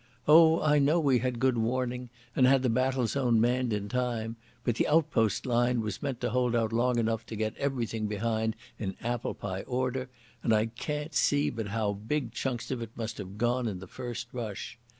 Oh, I know we had good warning, and had the battle zone manned in time, but the outpost line was meant to hold out long enough to get everything behind in apple pie order, and I can't see but how big chunks of it must have gone in the first rush....